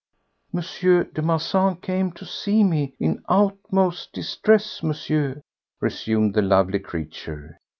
"M. de Marsan came to see me in utmost distress, Monsieur," resumed the lovely creature.